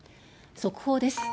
速報です。